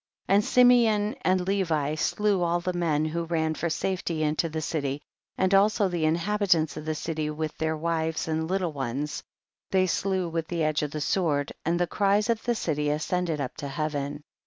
1 .5. And Simeon and Levi slew all the men who ran for safety into the city, and also the inhabitants of the city with their wives and little ones, they slew with the edge of the sword, and the cries of the city ascended up to heaven.